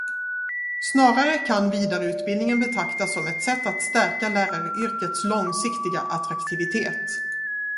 Snarare kan vidareutbildningen betraktas som ett sätt att stärka läraryrkets långsiktiga attraktivitet.